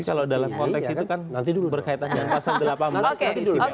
tapi kalau dalam konteks itu kan nanti berkaitan dengan pasal delapan belas